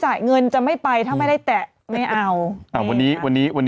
อ่ะแอดไปแล้ว